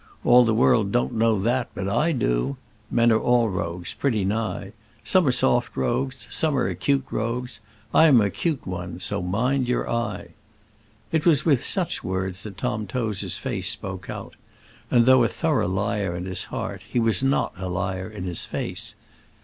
All the world don't know that, but I do. Men are all rogues, pretty nigh. Some are soft rogues, and some are 'cute rogues. I am a 'cute one; so mind your eye." It was with such words that Tom Tozer's face spoke out; and though a thorough liar in his heart, he was not a liar in his face.